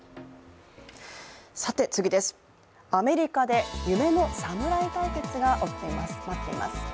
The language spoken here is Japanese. アメリカで、夢の侍対決が迫っています。